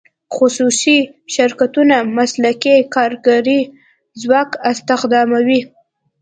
خصوصي شرکتونه مسلکي کارګري ځواک استخداموي.